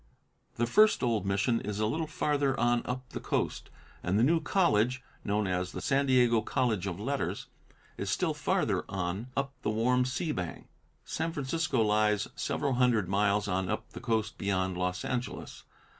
The first old mission is a little farther on up the coast, and the new college, known as the San Diego College of Letters, is still farther on up the warm sea bank. San Francisco lies several hundred miles on up the coast beyond Los Angeles.